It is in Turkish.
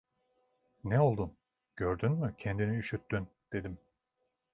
Ne oldun? Gördün mü, kendini üşüttün! dedim.